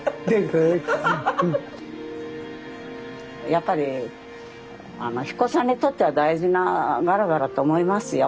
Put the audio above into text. やっぱり英彦山にとっては大事なガラガラと思いますよ